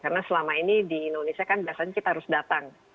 karena selama ini di indonesia kan biasanya kita harus datang